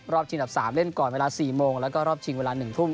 ชิงดับ๓เล่นก่อนเวลา๔โมงแล้วก็รอบชิงเวลา๑ทุ่ม